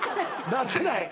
なってない